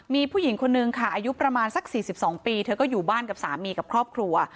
มีผู้หญิงคนนึงค่ะอายุประมาณสัก๔๒ปีเธอก็อยู่บ้านกับสามีกับครอบครัว